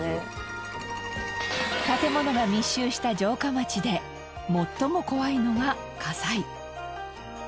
建物が密集した城下町で最も怖いのが火災。